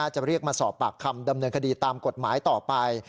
จะเรียกมาสอบปากคำดำเนินคดีตามกฎหมายต่อไป